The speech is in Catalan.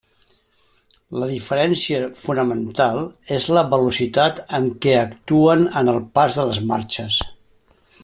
La diferència fonamental és la velocitat amb què actuen en el pas de les marxes.